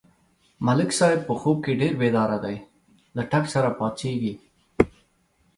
ملک صاحب په خوب کې ډېر بیداره دی، له ټک سره پا څېږي.